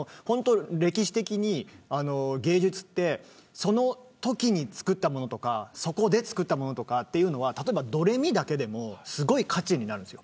歴史的に芸術ってそのときに作ったものとかそこで作ったものとかというのは例えばドレミだけでもすごい価値になるんです。